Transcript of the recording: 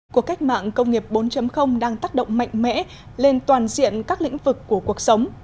cuộc cách mạng công nghiệp bốn đang tác động mạnh mẽ lên toàn diện các lĩnh vực của cuộc sống